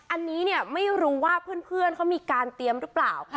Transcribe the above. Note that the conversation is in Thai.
อันนี้เนี่ยไม่รู้ว่าเพื่อนเขามีการเตรียมหรือเปล่า